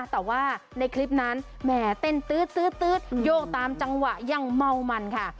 แต่ว่าในคลิปนั้นแหมเต้นตื๊ดโยกตามจังหวะยังเมามันค่ะ